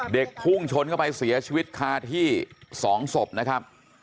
พุ่งชนเข้าไปเสียชีวิตคาที่๒ศพนะครับ